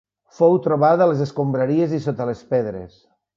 Fou trobada a les escombraries i sota les pedres.